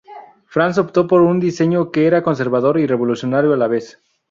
Franz optó por un diseño que era conservador y revolucionario a la vez.